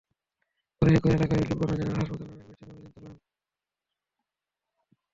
পরে একই এলাকায় লুবানা জেনারেল হাসপাতাল নামে একটি প্রতিষ্ঠানে অভিযান চালানো হয়।